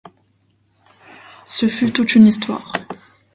Ce fut toute une histoire.